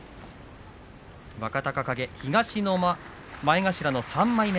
若隆景、東の前頭３枚目。